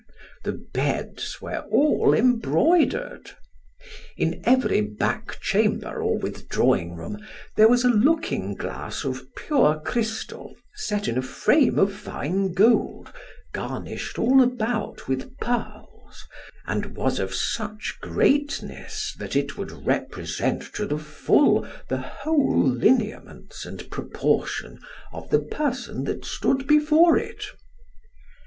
The beds were all embroidered. In every back chamber or withdrawing room there was a looking glass of pure crystal set in a frame of fine gold, garnished all about with pearls, and was of such greatness that it would represent to the full the whole lineaments and proportion of the person that stood before it.